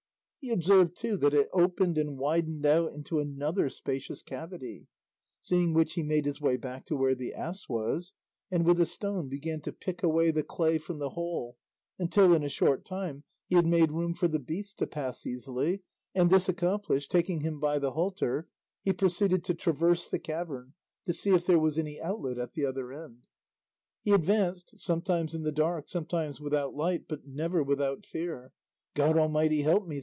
He observed too that it opened and widened out into another spacious cavity; seeing which he made his way back to where the ass was, and with a stone began to pick away the clay from the hole until in a short time he had made room for the beast to pass easily, and this accomplished, taking him by the halter, he proceeded to traverse the cavern to see if there was any outlet at the other end. He advanced, sometimes in the dark, sometimes without light, but never without fear; "God Almighty help me!"